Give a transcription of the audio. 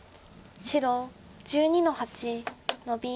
白１２の八ノビ。